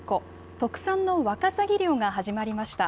特産のワカサギ漁が始まりました。